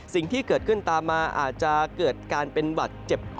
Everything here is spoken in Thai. สิ่งที่เกิดขึ้นตามมาอาจจะเกิดการเป็นบัตรเจ็บคอ